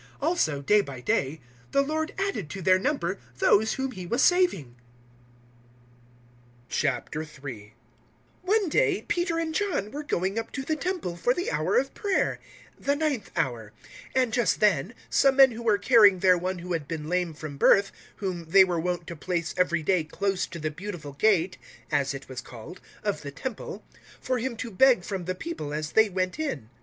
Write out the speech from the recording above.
Also, day by day, the Lord added to their number those whom He was saving. 003:001 One day Peter and John were going up to the Temple for the hour of prayer the ninth hour and, just then, 003:002 some men were carrying there one who had been lame from birth, whom they were wont to place every day close to the Beautiful Gate (as it was called) of the Temple, for him to beg from the people as they went in.